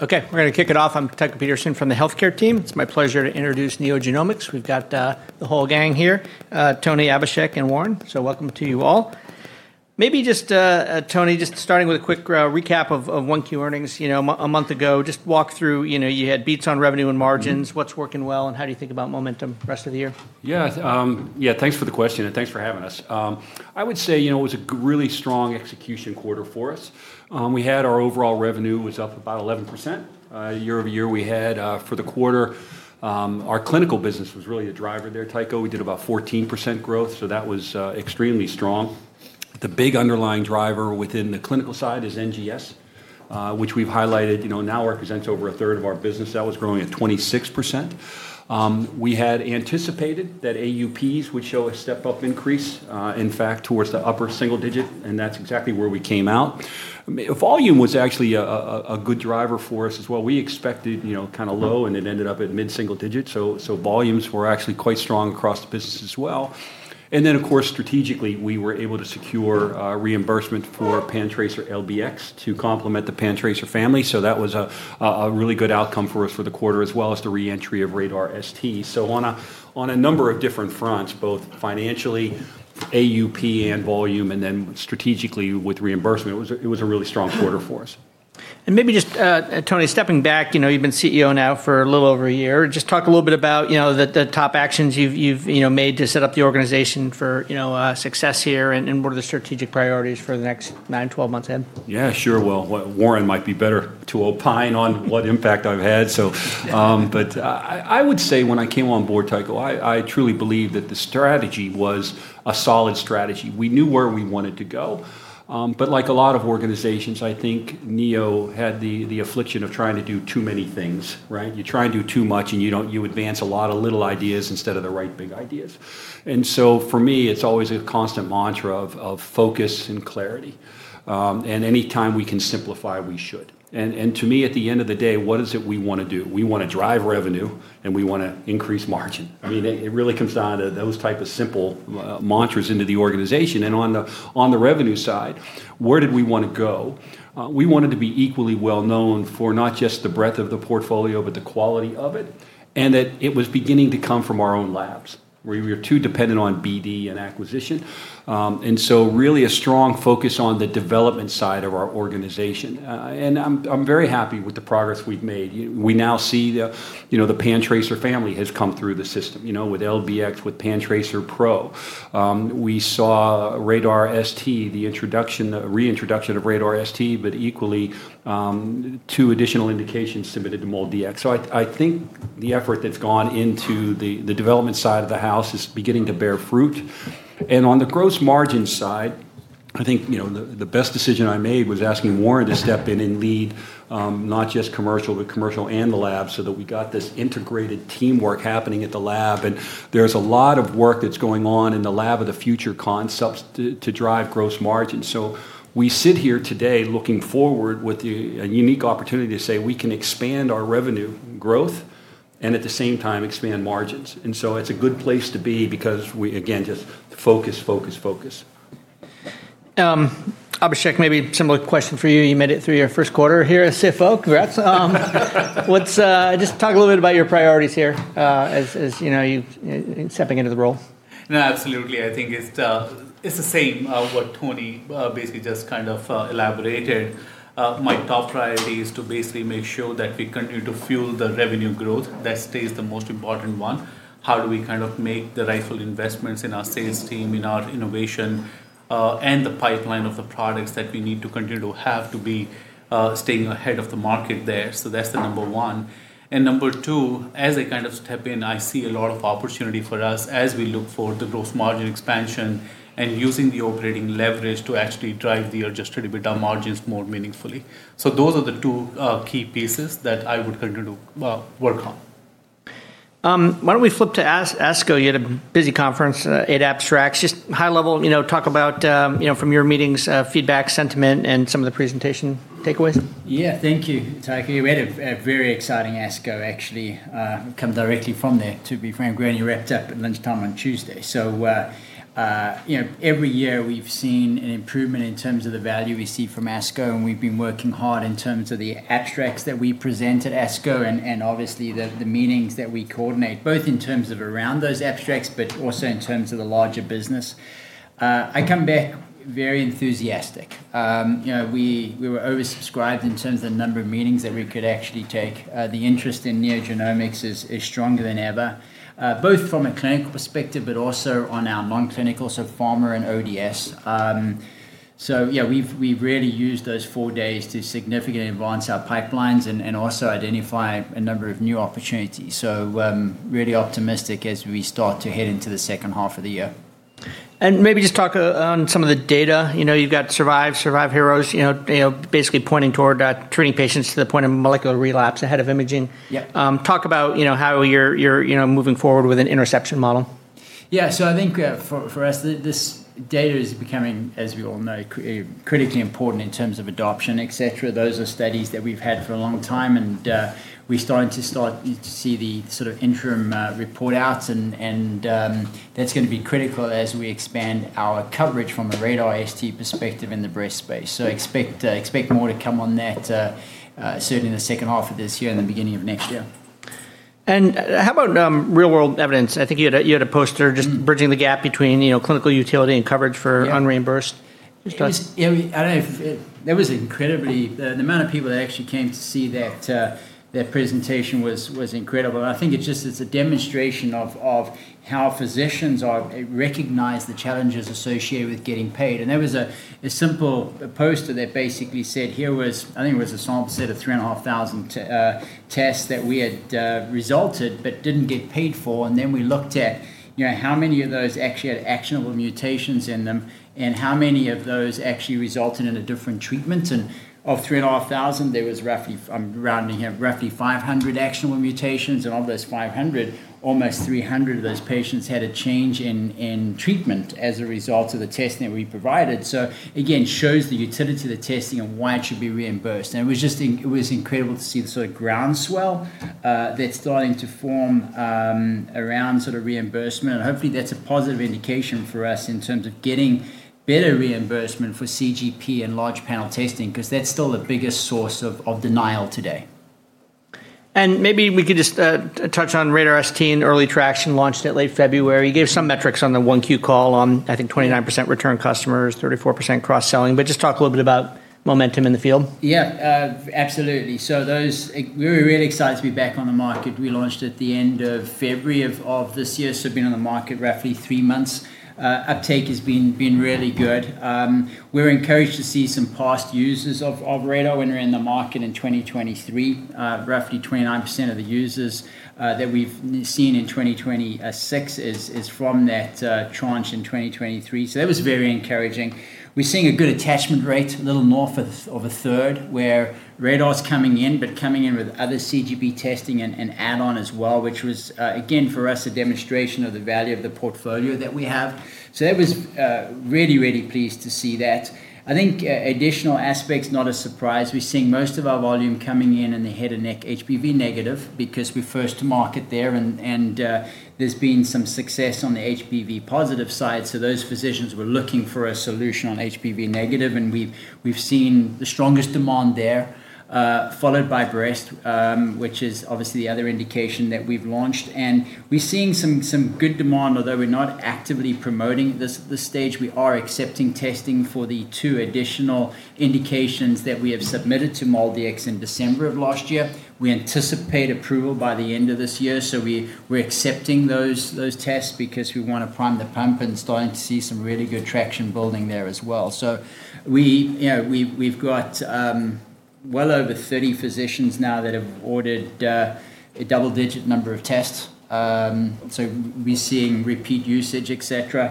Okay, we're going to kick it off. I'm Tycho Peterson from the healthcare team. It's my pleasure to introduce NeoGenomics. We've got the whole gang here, Tony, Abhishek, and Warren. Welcome to you all. Maybe, Tony, just starting with a quick recap of 1Q earnings a month ago. Just walk through, you had beats on revenue and margins. What's working well, and how do you think about momentum rest of the year? Thanks for the question and thanks for having us. I would say it was a really strong execution quarter for us. We had our overall revenue was up about 11%, year-over-year. We had, for the quarter, our clinical business was really a driver there, Tycho. We did about 14% growth, that was extremely strong. The big underlying driver within the clinical side is NGS, which we've highlighted now represents over a third of our business. That was growing at 26%. We had anticipated that AUPs would show a step-up increase, in fact, towards the upper single digit, that's exactly where we came out. Volume was actually a good driver for us as well. We expected kind of low, it ended up at mid-single digits. Volumes were actually quite strong across the business as well. Of course, strategically, we were able to secure reimbursement for PanTracer LBx to complement the PanTracer family. That was a really good outcome for us for the quarter, as well as the re-entry of RaDaR ST. On a number of different fronts, both financially, AUP, and volume, and then strategically with reimbursement, it was a really strong quarter for us. Maybe just, Tony, stepping back, you've been CEO now for a little over a year. Just talk a little bit about the top actions you've made to set up the organization for success here, and what are the strategic priorities for the next nine, 12 months ahead? Yeah, sure. Well, Warren might be better to opine on what impact I've had. I would say when I came on board, Tycho, I truly believe that the strategy was a solid strategy. We knew where we wanted to go. Like a lot of organizations, I think Neo had the affliction of trying to do too many things, right? You try and do too much, and you advance a lot of little ideas instead of the right big ideas. For me, it's always a constant mantra of focus and clarity. Any time we can simplify, we should. To me, at the end of the day, what is it we want to do? We want to drive revenue, and we want to increase margin. It really comes down to those type of simple mantras into the organization. On the revenue side, where did we want to go? We wanted to be equally well-known for not just the breadth of the portfolio, but the quality of it, and that it was beginning to come from our own labs. We were too dependent on BD and acquisition. Really, a strong focus on the development side of our organization. I'm very happy with the progress we've made. We now see the PanTracer family has come through the system, with LBx, with PanTracer Pro. We saw RaDaR ST, the reintroduction of RaDaR ST, but equally, two additional indications submitted to MolDX. I think the effort that's gone into the development side of the house is beginning to bear fruit. On the gross margins side, I think the best decision I made was asking Warren to step in and lead not just commercial, but commercial and the lab, so that we got this integrated teamwork happening at the lab. There's a lot of work that's going on in the lab of the future concepts to drive gross margins. We sit here today looking forward with a unique opportunity to say we can expand our revenue growth and, at the same time, expand margins. It's a good place to be because we, again, just focus, focus. Abhishek, maybe similar question for you. You made it through your first quarter here as CFO. Congrats. Let's just talk a little bit about your priorities here as you stepping into the role. No, absolutely. I think it's the same, what Tony basically just kind of elaborated. My top priority is to basically make sure that we continue to fuel the revenue growth. That stays the most important one. How do we make the rightful investments in our sales team, in our innovation, and the pipeline of the products that we need to continue to have to be staying ahead of the market there? That's the number one. Number two, as I step in, I see a lot of opportunity for us as we look for the growth margin expansion and using the operating leverage to actually drive the adjusted EBITDA margins more meaningfully. Those are the two key pieces that I would continue to work on. Why don't we flip to ASCO? You had a busy conference, eight abstracts. High-level, talk about, from your meetings, feedback, sentiment, and some of the presentation takeaways. Yeah. Thank you, Tycho. We had a very exciting ASCO, actually. Come directly from there, to be frank. We only wrapped up at lunchtime on Tuesday. Every year we've seen an improvement in terms of the value we see from ASCO, and we've been working hard in terms of the abstracts that we present at ASCO and obviously the meetings that we coordinate, both in terms of around those abstracts, but also in terms of the larger business. I come back very enthusiastic. We were oversubscribed in terms of the number of meetings that we could actually take. The interest in NeoGenomics is stronger than ever, both from a clinical perspective, but also on our non-clinical, so pharma and ODS. Yeah, we've really used those four days to significantly advance our pipelines and also identify a number of new opportunities. Really optimistic as we start to head into the second half of the year. Maybe just talk on some of the data. You've got SURVIVE HERoes basically pointing toward treating patients to the point of molecular relapse ahead of imaging. Yeah. Talk about how you're moving forward with an interception model. Yeah. I think for us, this data is becoming, as we all know, critically important in terms of adoption, et cetera. Those are studies that we've had for a long time, and we're starting to see the sort of interim report outs, and that's going to be critical as we expand our coverage from a RaDaR ST perspective in the breast space. Expect more to come on that, certainly in the second half of this year and the beginning of next year. How about real-world evidence? I think you had a poster just bridging the gap between clinical utility and coverage for unreimbursed? I mean, the amount of people that actually came to see that presentation was incredible. I think it's just a demonstration of how physicians recognize the challenges associated with getting paid. There was a simple poster that basically said, here was, I think it was a sample set of 3,500 tests that we had resulted but didn't get paid for. Then we looked at how many of those actually had actionable mutations in them, and how many of those actually resulted in a different treatment. Of 3,500, there was roughly, I'm rounding here, roughly 500 actionable mutations. Of those 500, almost 300 of those patients had a change in treatment as a result of the testing that we provided. Again, shows the utility of the testing and why it should be reimbursed. It was incredible to see the sort of groundswell that's starting to form around reimbursement. Hopefully, that's a positive indication for us in terms of getting better reimbursement for CGP and large panel testing, because that's still the biggest source of denial today. Maybe we could just touch on RaDaR ST and early traction launched it late February. You gave some metrics on the 1Q call on, I think, 29% return customers, 34% cross-selling. Just talk a little bit about momentum in the field. Yeah. Absolutely. Those, we were really excited to be back on the market. We launched at the end of February of this year, been on the market roughly three months. Uptake has been really good. We're encouraged to see some past users of RaDaR when we were in the market in 2023. Roughly 29% of the users that we've seen in 2026 is from that tranche in 2023. That was very encouraging. We're seeing a good attachment rate, a little north of a third, where RaDaR's coming in but coming in with other CGP testing and add-on as well, which was, again, for us, a demonstration of the value of the portfolio that we have. That was really pleased to see that. I think additional aspect's not a surprise. We're seeing most of our volume coming in in the head and neck HPV negative because we're first to market there and there's been some success on the HPV positive side. Those physicians were looking for a solution on HPV negative, and we've seen the strongest demand there, followed by breast, which is obviously the other indication that we've launched. We're seeing some good demand, although we're not actively promoting this at this stage. We are accepting testing for the two additional indications that we have submitted to MolDX in December of last year. We anticipate approval by the end of this year, so we're accepting those tests because we want to prime the pump and starting to see some really good traction building there as well. We've got well over 30 physicians now that have ordered a double-digit number of tests. We're seeing repeat usage, et cetera,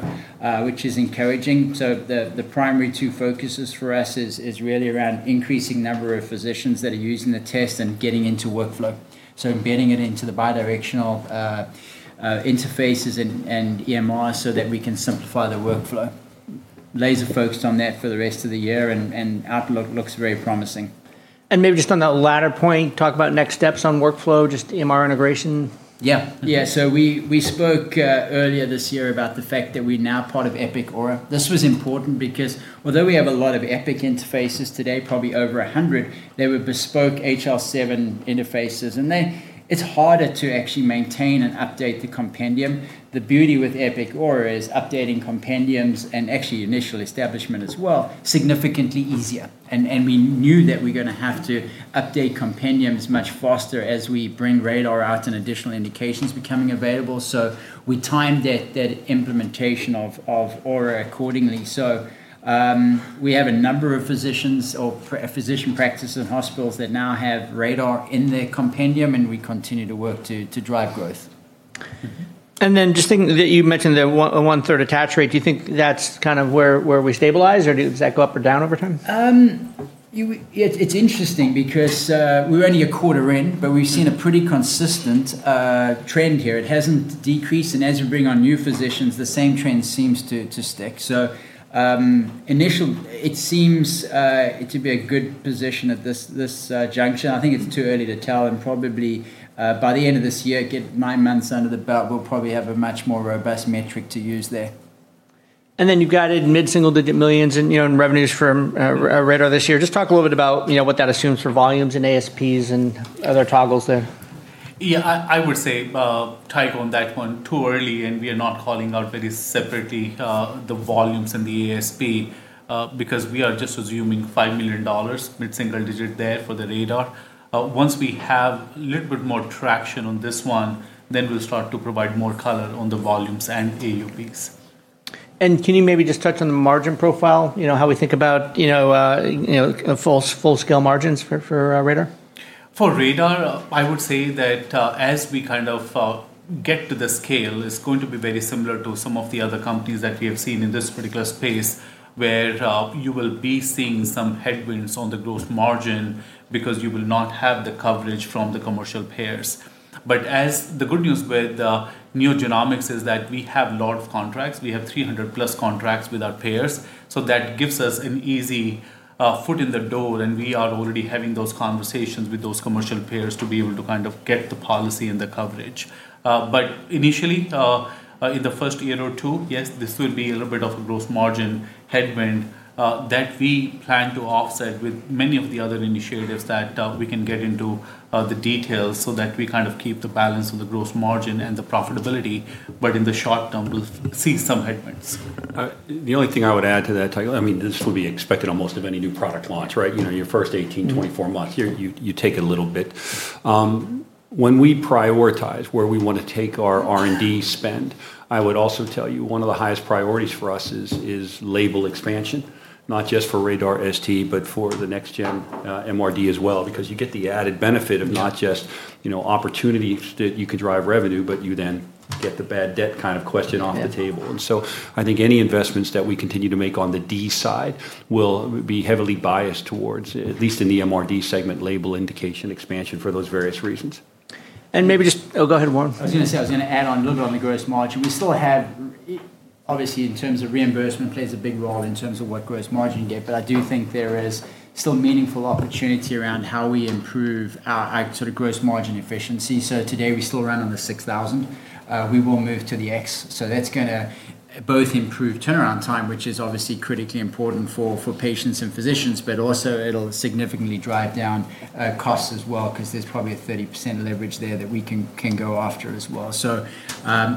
which is encouraging. The primary two focuses for us is really around increasing number of physicians that are using the test and getting into workflow. Embedding it into the bidirectional interfaces and EMR so that we can simplify the workflow. Laser-focused on that for the rest of the year. Outlook looks very promising. Maybe just on that latter point, talk about next steps on workflow, just EMR integration. We spoke earlier this year about the fact that we're now part of Epic Aura. This was important because although we have a lot of Epic interfaces today, probably over 100, they were bespoke HL7 interfaces. It's harder to actually maintain and update the compendium. The beauty with Epic Aura is updating compendiums, and actually initial establishment as well, significantly easier. We knew that we're going to have to update compendiums much faster as we bring RaDaR out and additional indications becoming available. We timed that implementation of Aura accordingly. We have a number of physicians or physician practices and hospitals that now have RaDaR in their compendium, and we continue to work to drive growth. Just thinking that you mentioned the one-third attach rate, do you think that's kind of where we stabilize, or does that go up or down over time? It's interesting because we're only a quarter in, but we've seen a pretty consistent trend here. It hasn't decreased, and as we bring on new physicians, the same trend seems to stick. Initially, it seems to be a good position at this juncture. I think it's too early to tell, and probably, by the end of this year, get nine months under the belt, we'll probably have a much more robust metric to use there. You've got it in mid-single-digit millions in revenues from RaDaR this year. Just talk a little bit about what that assumes for volumes and ASPs, and other toggles there. Yeah, I would say, Ty, on that one, too early. We are not calling out very separately, the volumes and the ASP, because we are just assuming $5 million, mid-single digit there for the RaDaR. Once we have little bit more traction on this one, then we'll start to provide more color on the volumes and AUPs. Can you maybe just touch on the margin profile? How we think about full-scale margins for RaDaR? For RaDaR, I would say that as we kind of get to the scale, it's going to be very similar to some of the other companies that we have seen in this particular space, where you will be seeing some headwinds on the gross margin because you will not have the coverage from the commercial payers. As the good news with NeoGenomics is that we have a lot of contracts. We have 300+ contracts with our payers. That gives us an easy foot in the door, and we are already having those conversations with those commercial payers to be able to kind of get the policy and the coverage. Initially, in the first year or two, yes, this will be a little bit of a gross margin headwind that we plan to offset with many of the other initiatives that we can get into the details so that we kind of keep the balance of the gross margin and the profitability. In the short term, we'll see some headwinds. The only thing I would add to that, Ty, I mean, this will be expected on most of any new product launch, right? Your first 18, 24 months, you take a little bit. When we prioritize where we want to take our R&D spend, I would also tell you one of the highest priorities for us is label expansion. Not just for RaDaR ST, but for the next gen MRD as well, because you get the added benefit of not just opportunity that you could drive revenue, but you then get the bad debt kind of question off the table. I think any investments that we continue to make on the D side will be heavily biased towards, at least in the MRD segment, label indication expansion for those various reasons. Maybe just. Oh, go ahead, Warren. I was going to say, I was going to add on a little bit on the gross margin. Obviously, in terms of reimbursement plays a big role in terms of what gross margin you get, but I do think there is still meaningful opportunity around how we improve our sort of gross margin efficiency. Today, we still run on the 6,000. We will move to the X, so that's going to both improve turnaround time, which is obviously critically important for patients and physicians, but also it'll significantly drive down costs as well, because there's probably a 30% leverage there that we can go after as well.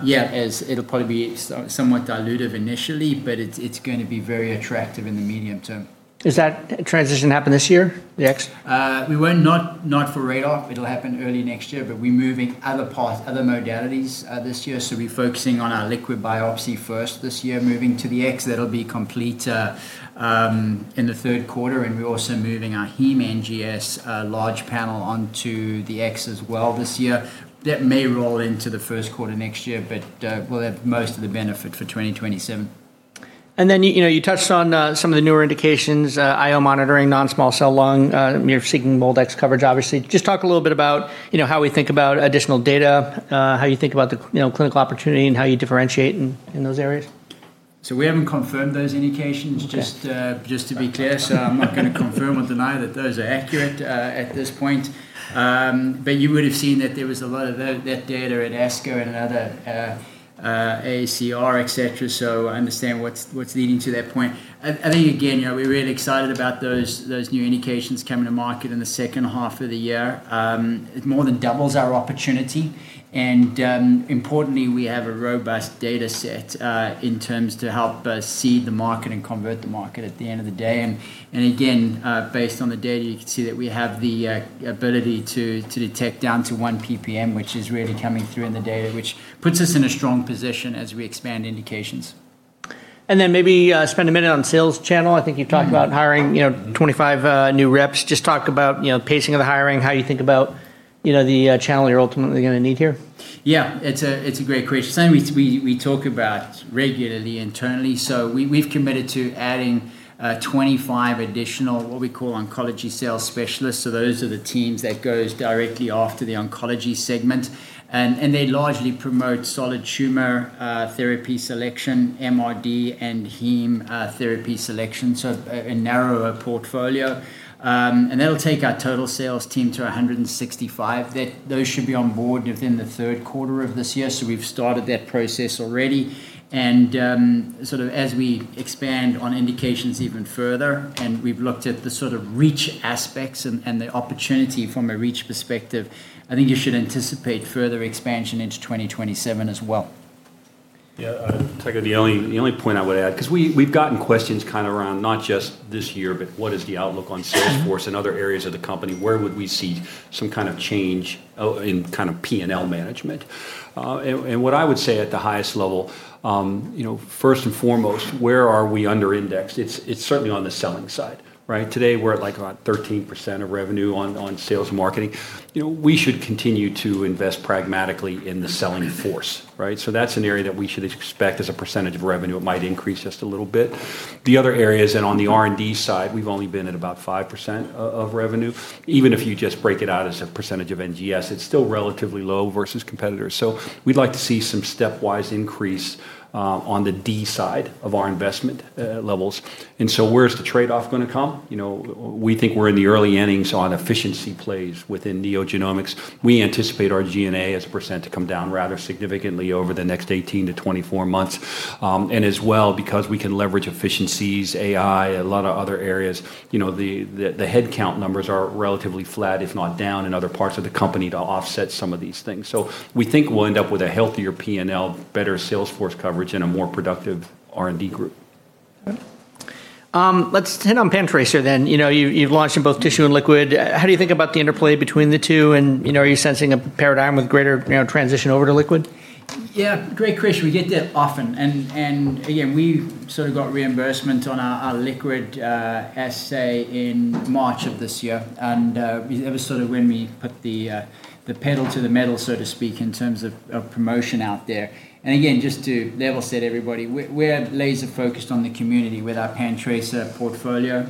Yeah, it'll probably be somewhat dilutive initially, but it's going to be very attractive in the medium term. Is that transition happen this year? The X? Not for RaDaR. It'll happen early next year, but we're moving other modalities this year, so we'll be focusing on our liquid biopsy first this year, moving to NovaSeq X. That'll be complete in the third quarter, and we're also moving our heme NGS large panel onto NovaSeq X as well this year. That may roll into the first quarter next year, but we'll have most of the benefit for 2027. You touched on some of the newer indications, IO monitoring, non-small cell lung. You're seeking MolDX coverage, obviously. Just talk a little bit about how we think about additional data, how you think about the clinical opportunity, and how you differentiate in those areas. We haven't confirmed those indications. Okay Just to be clear, I'm not going to confirm or deny that those are accurate at this point. You would've seen that there was a lot of that data at ASCO and other AACR, et cetera, so I understand what's leading to that point. I think again, we're really excited about those new indications coming to market in the second half of the year. It more than doubles our opportunity, and importantly, we have a robust data set in terms to help seed the market and convert the market at the end of the day. Again, based on the data, you can see that we have the ability to detect down to 1 ppm, which is really coming through in the data, which puts us in a strong position as we expand indications. Maybe spend a minute on sales channel. I think you've talked about hiring 25 new reps. Just talk about pacing of the hiring, how you think about the channel you're ultimately going to need here. Yeah. It's a great question. Same we talk about regularly internally. We've committed to adding 25 additional, what we call oncology sales specialists, those are the teams that goes directly after the oncology segment. They largely promote solid tumor therapy selection, MRD and heme therapy selection, so a narrower portfolio. That'll take our total sales team to 165. Those should be on board within the third quarter of this year, so we've started that process already. Sort of as we expand on indications even further, and we've looked at the sort of reach aspects and the opportunity from a reach perspective, I think you should anticipate further expansion into 2027 as well. Yeah. Tycho, the only point I would add because we've gotten questions kind of around not just this year, but what is the outlook on sales force in other areas of the company? Where would we see some kind of change in kind of P&L management? What I would say at the highest level, first and foremost, where are we under-indexed? It's certainly on the selling side, right? Today, we're at like around 13% of revenue on sales marketing. We should continue to invest pragmatically in the selling force, right? That's an area that we should expect as a percentage of revenue. It might increase just a little bit. The other areas and on the R&D side, we've only been at about 5% of revenue. Even if you just break it out as a percentage of NGS, it's still relatively low versus competitors. We'd like to see some stepwise increase on the D side of our investment levels. Where's the trade-off going to come? We think we're in the early innings on efficiency plays within NeoGenomics. We anticipate our G&A as a percent to come down rather significantly over the next 18 to 24 months. As well, because we can leverage efficiencies, AI, a lot of other areas, the headcount numbers are relatively flat, if not down in other parts of the company, to offset some of these things. We think we'll end up with a healthier P&L, better sales force coverage, and a more productive R&D group. Okay. Let's hit on PanTracer. You've launched in both tissue and liquid. How do you think about the interplay between the two? Are you sensing a paradigm with greater transition over to liquid? Great question. We get that often, and again, we sort of got reimbursement on our liquid assay in March of this year, and that was sort of when we put the pedal to the metal, so to speak, in terms of promotion out there. Just to level set everybody, we're laser focused on the community with our PanTracer portfolio,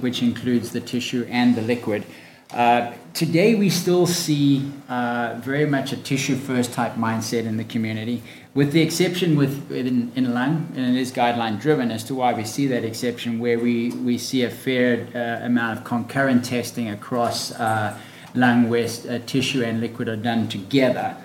which includes the tissue and the liquid. Today, we still see very much a tissue-first type mindset in the community. With the exception in lung, and it is guideline-driven as to why we see that exception, where we see a fair amount of concurrent testing across lung, where tissue and liquid are done together.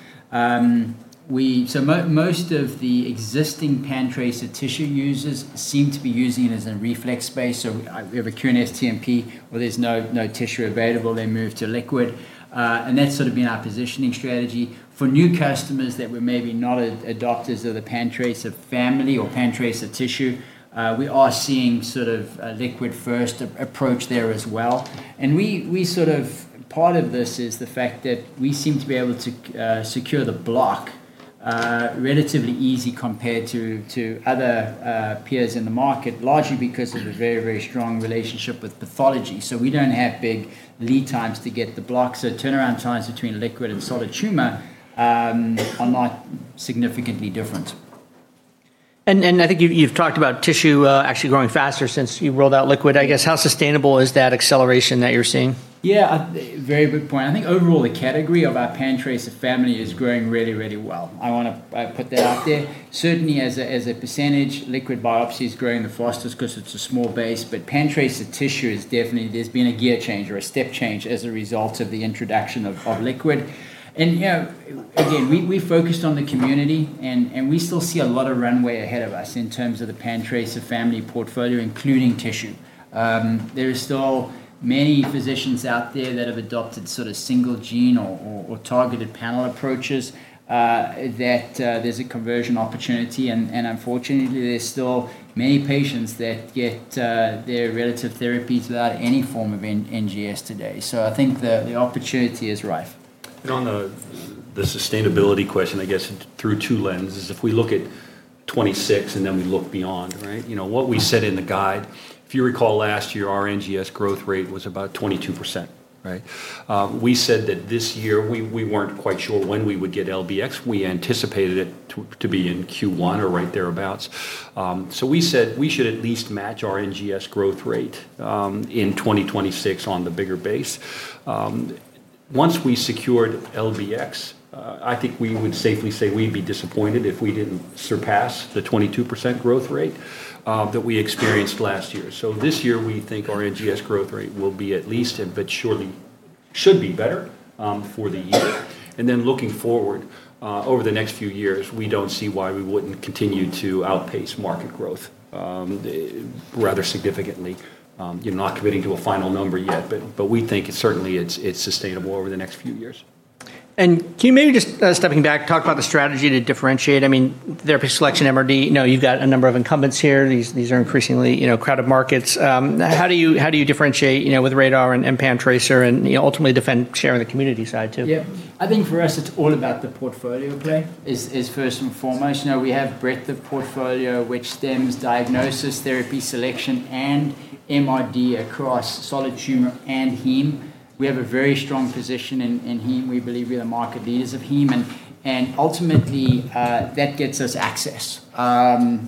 Most of the existing PanTracer tissue users seem to be using it as a reflex space. We have a QNS/TNP where there's no tissue available, they move to liquid. That's sort of been our positioning strategy. For new customers that were maybe not adopters of the PanTracer family or PanTracer tissue, we are seeing sort of a liquid first approach there as well. Part of this is the fact that we seem to be able to secure the block relatively easy compared to other peers in the market, largely because of a very, very strong relationship with pathology. We don't have big lead times to get the block, so turnaround times between liquid and solid tumor are not significantly different. I think you've talked about tissue actually growing faster since you rolled out liquid. I guess, how sustainable is that acceleration that you're seeing? Yeah. Very good point. I think overall, the category of our PanTracer family is growing really, really well. I want to put that out there. Certainly, as a percentage, liquid biopsy is growing the fastest because it's a small base, but PanTracer tissue, there's been a gear change or a step change as a result of the introduction of liquid. Again, we focused on the community, and we still see a lot of runway ahead of us in terms of the PanTracer family portfolio, including tissue. There are still many physicians out there that have adopted sort of single gene or targeted panel approaches, that there's a conversion opportunity. Unfortunately, there's still many patients that get their relative therapy without any form of NGS today. I think the opportunity is rife. On the sustainability question, I guess through two lenses. If we look at 2026, and then we look beyond. What we said in the guide, if you recall last year, our NGS growth rate was about 22%. We said that this year, we weren't quite sure when we would get LBx. We anticipated it to be in Q1 or right thereabouts. We said we should at least match our NGS growth rate in 2026 on the bigger base. Once we secured LBx, I think we would safely say we'd be disappointed if we didn't surpass the 22% growth rate that we experienced last year. This year, we think our NGS growth rate will be at least, but surely should be better for the year. Looking forward, over the next few years, we don't see why we wouldn't continue to outpace market growth rather significantly. Not committing to a final number yet, we think certainly it's sustainable over the next few years. Can you maybe just stepping back, talk about the strategy to differentiate? I mean, therapy selection, MRD, you've got a number of incumbents here. These are increasingly crowded markets. How do you differentiate with RaDaR and PanTracer and ultimately defend share on the community side too? Yeah. I think for us, it's all about the portfolio play is first and foremost. We have breadth of portfolio, which stems diagnosis, therapy selection, and MRD across solid tumor and heme. We have a very strong position in heme. We believe we are market leaders of heme. Ultimately, that gets us access. We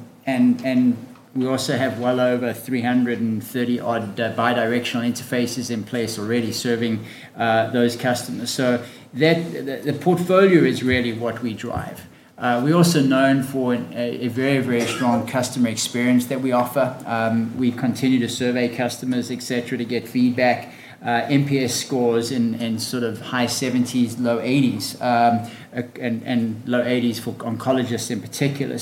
also have well over 330 odd bidirectional interfaces in place already serving those customers. The portfolio is really what we drive. We're also known for a very strong customer experience that we offer. We continue to survey customers, et cetera, to get feedback. NPS scores in sort of high 70s, low 80s, and low 80s for oncologists in particular.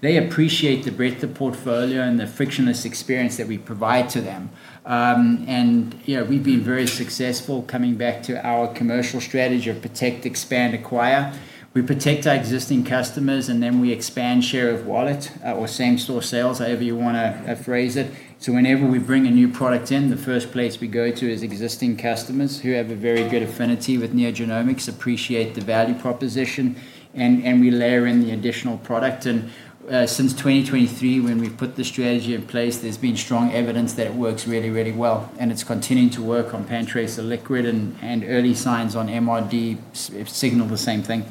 They appreciate the breadth of portfolio and the frictionless experience that we provide to them. We've been very successful coming back to our commercial strategy of protect, expand, acquire. We protect our existing customers, then we expand share of wallet or same store sales, however you want to phrase it. Whenever we bring a new product in, the first place we go to is existing customers who have a very good affinity with NeoGenomics, appreciate the value proposition, and we layer in the additional product. Since 2023, when we put the strategy in place, there's been strong evidence that it works really, really well, and it's continuing to work on PanTracer liquid and early signs on MRD signal the same thing.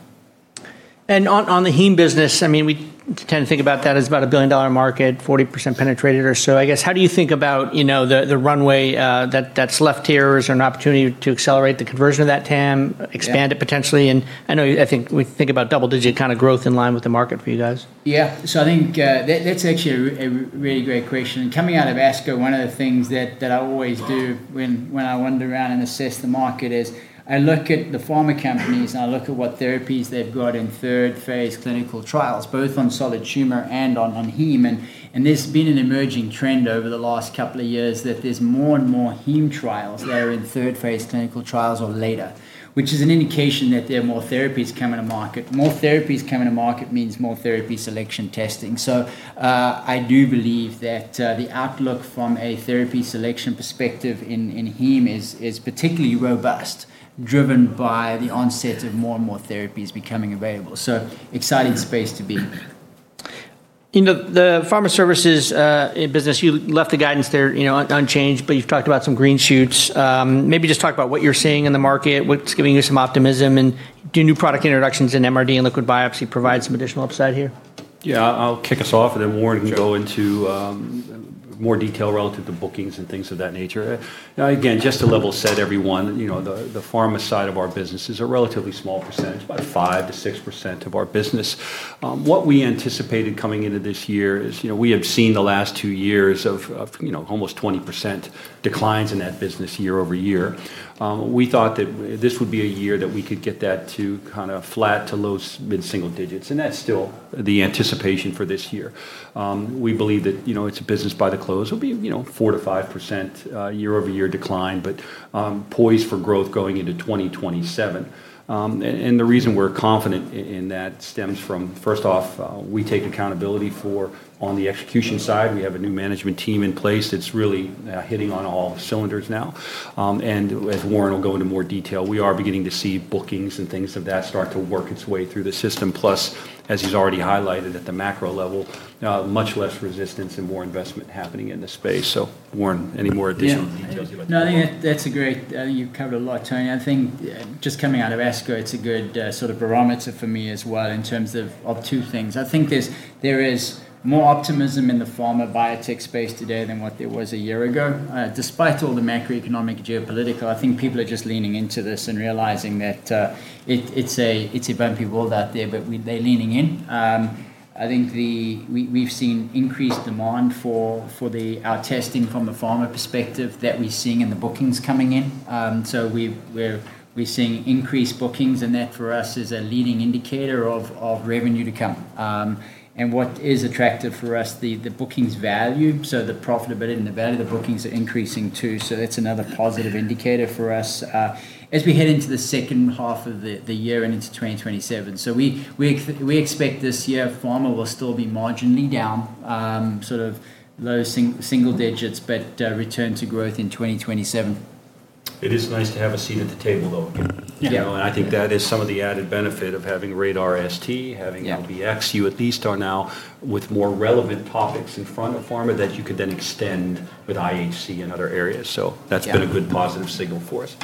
On the heme business, we tend to think about that as about a billion-dollar market, 40% penetrated or so. I guess, how do you think about the runway that's left here? Is there an opportunity to accelerate the conversion of that TAM, expand it potentially? I know, I think we think about double-digit kind of growth in line with the market for you guys. I think that's actually a really great question. Coming out of ASCO, one of the things that I always do when I wander around and assess the market is I look at the pharma companies, and I look at what therapies they've got in phase III clinical trials, both on solid tumor and on heme. There's been an emerging trend over the last couple of years that there's more and more heme trials that are in phase III clinical trials or later, which is an indication that there are more therapies coming to market. More therapies coming to market means more therapy selection testing. I do believe that the outlook from a therapy selection perspective in heme is particularly robust, driven by the onset of more and more therapies becoming available. Exciting space to be. In the pharma services business, you left the guidance there unchanged, but you've talked about some green shoots. Maybe just talk about what you're seeing in the market, what's giving you some optimism, and do new product introductions in MRD and liquid biopsy provide some additional upside here? Yeah. I'll kick us off, and then Warren can go into more detail relative to bookings and things of that nature. Again, just to level set everyone, the pharma side of our business is a relatively small percent by 5%-6% of our business. What we anticipated coming into this year is we have seen the last two years of almost 20% declines in that business year-over-year. We thought that this would be a year that we could get that to flat to low-mid single digits, and that's still the anticipation for this year. We believe that it's a business by the close. It'll be 4%-5% year-over-year decline, but poised for growth going into 2027. The reason we're confident in that stems from, first off, we take accountability for on the execution side. We have a new management team in place. It's really hitting on all cylinders now. As Warren will go into more detail, we are beginning to see bookings and things of that start to work its way through the system. Plus, as he's already highlighted at the macro level, much less resistance and more investment happening in the space. Warren, any more additional details you'd like to provide? Yeah. No, I think that's great. You've covered a lot, Tony. I think just coming out of ASCO, it's a good barometer for me as well in terms of two things. I think there is more optimism in the pharma biotech space today than what there was a year ago. Despite all the macroeconomic geopolitical, I think people are just leaning into this and realizing that it's a bumpy world out there, but they're leaning in. I think we've seen increased demand for our testing from the pharma perspective that we're seeing in the bookings coming in. We're seeing increased bookings, and that for us is a leading indicator of revenue to come. What is attractive for us, the bookings value, so the profitability and the value of the bookings are increasing too, so that's another positive indicator for us as we head into the second half of the year and into 2027. We expect this year, pharma will still be marginally down, low single digits, but a return to growth in 2027. It is nice to have a seat at the table, though. Yeah. I think that is some of the added benefit of having RaDaR ST, having LBx. You at least are now with more relevant topics in front of pharma that you could then extend with IHC and other areas. So, that's been a good positive signal for us.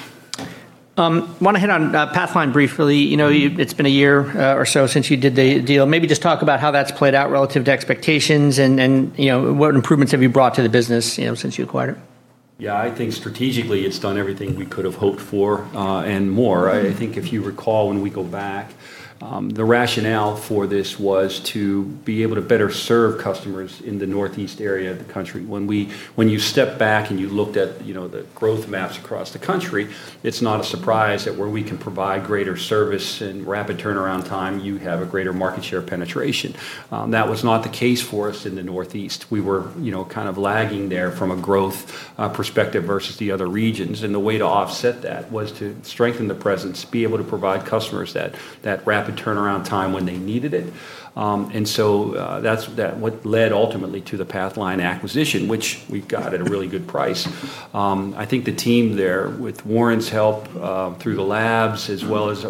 want to hit on Pathline briefly. It has been a year or so since you did the deal. Maybe just talk about how that has played out relative to expectations and what improvements have you brought to the business since you acquired it. I think strategically, it's done everything we could've hoped for and more. I think if you recall when we go back, the rationale for this was to be able to better serve customers in the Northeast area of the country. When you step back and you looked at the growth maps across the country, it's not a surprise that where we can provide greater service and rapid turnaround time, you have a greater market share penetration. That was not the case for us in the Northeast. We were lagging there from a growth perspective versus the other regions. The way to offset that was to strengthen the presence, be able to provide customers that rapid turnaround time when they needed it. That's what led ultimately to the Pathline acquisition, which we got at a really good price. I think the team there, with Warren's help through the labs as well as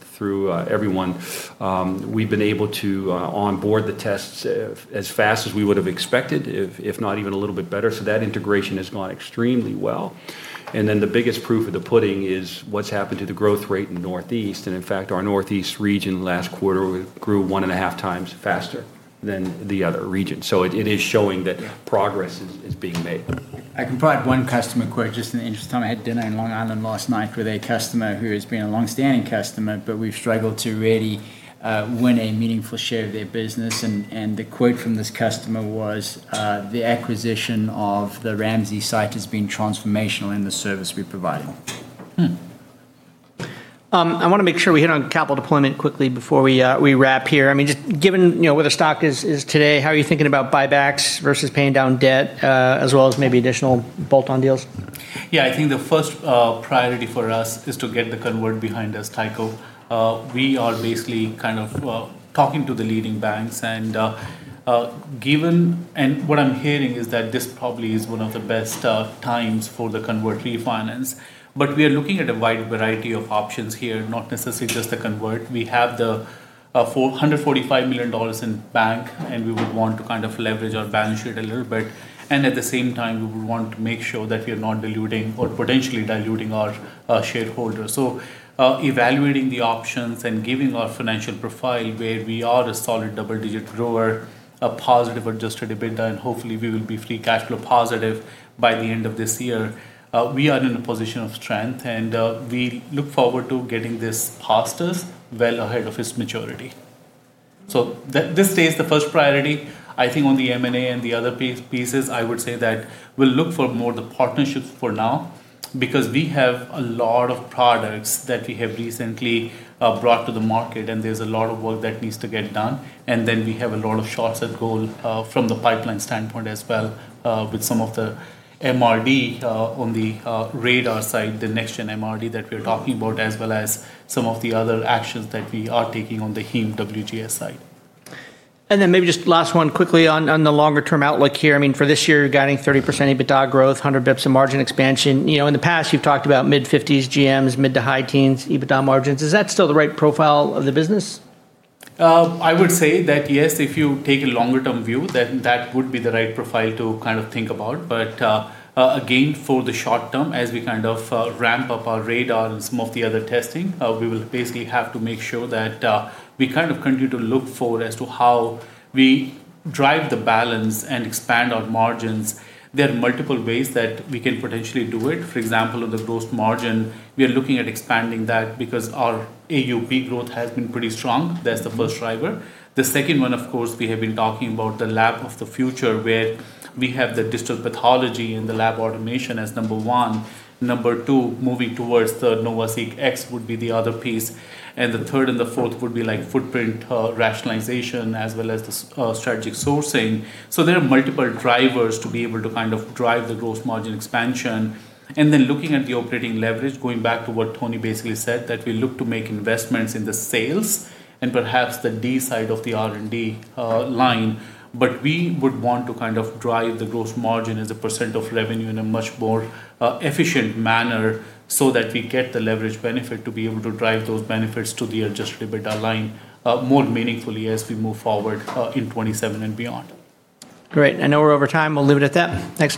through everyone, we've been able to onboard the tests as fast as we would've expected, if not even a little bit better. That integration has gone extremely well. The biggest proof of the pudding is what's happened to the growth rate in Northeast. Our Northeast region last quarter grew 1.5x faster than the other regions. It is showing that progress is being made. I can provide one customer quote, just in the interest of time. I had dinner in Long Island last night with a customer who has been a longstanding customer, but we've struggled to really win a meaningful share of their business. The quote from this customer was, "The acquisition of the Ramsey site has been transformational in the service we provide. I want to make sure we hit on capital deployment quickly before we wrap here. Just given where the stock is today, how are you thinking about buybacks versus paying down debt, as well as maybe additional bolt-on deals? I think the first priority for us is to get the convert behind us, Tycho. We are basically talking to the leading banks. What I'm hearing is that this probably is one of the best times for the convert refinance. We are looking at a wide variety of options here, not necessarily just the convert. We have the $445 million in bank. We would want to leverage our balance sheet a little bit. At the same time, we would want to make sure that we are not diluting or potentially diluting our shareholders. Evaluating the options and giving our financial profile, where we are a solid double-digit grower, a positive adjusted EBITDA, hopefully, we will be free cash flow positive by the end of this year. We are in a position of strength, and we look forward to getting this past us well ahead of its maturity. This stays the first priority. I think on the M&A and the other pieces, I would say that we'll look for more the partnerships for now because we have a lot of products that we have recently brought to the market, and there's a lot of work that needs to get done. We have a lot of shots at goal from the pipeline standpoint as well, with some of the MRD on the RaDaR side, the next-gen MRD that we're talking about, as well as some of the other actions that we are taking on the heme WGS side. Maybe just last one quickly on the longer-term outlook here. For this year, guiding 30% EBITDA growth, 100 basis points in margin expansion. In the past you've talked about mid-50s GMs, mid to high teens EBITDA margins. Is that still the right profile of the business? I would say that yes, if you take a longer-term view, then that would be the right profile to think about. Again, for the short term, as we ramp up our RaDaR and some of the other testing, we will basically have to make sure that we continue to look forward as to how we drive the balance and expand our margins. There are multiple ways that we can potentially do it. For example, on the gross margin, we are looking at expanding that because our AUP growth has been pretty strong. That's the first driver. The second one, of course, we have been talking about the lab of the future, where we have the digital pathology and the lab automation as number one. Number two, moving towards the NovaSeq X would be the other piece. The third and the fourth would be footprint rationalization as well as the strategic sourcing. There are multiple drivers to be able to drive the gross margin expansion. Looking at the operating leverage, going back to what Tony basically said, that we look to make investments in the sales and perhaps the D side of the R&D line. We would want to drive the gross margin as a percent of revenue in a much more efficient manner so that we get the leverage benefit to be able to drive those benefits to the adjusted EBITDA line more meaningfully as we move forward in 2027 and beyond. Great. I know we're over time. We'll leave it at that. Thanks.